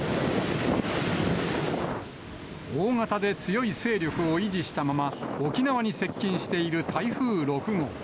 大型で強い勢力を維持したまま、沖縄に接近している台風６号。